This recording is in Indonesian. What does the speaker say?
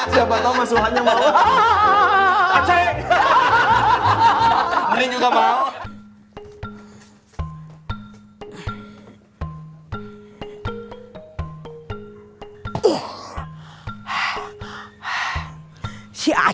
siapa tahu mas wuhannya mau